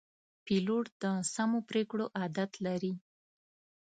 پیلوټ د سمو پرېکړو عادت لري.